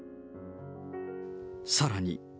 さらに。